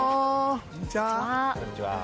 こんにちは。